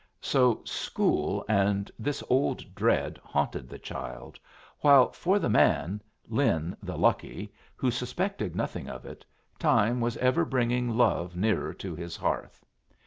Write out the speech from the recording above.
So school and this old dread haunted the child, while for the man, Lin the lucky, who suspected nothing of it, time was ever bringing love nearer to his hearth.